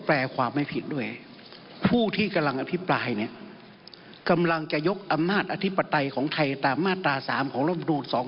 ผมฟังมาโดยรอดนะครับ